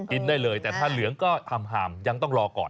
กินได้เลยแต่ถ้าเหลืองก็ทำยังต้องรอก่อน